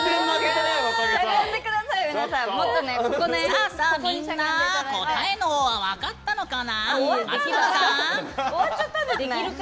みんな、答えのほうは分かったのかな。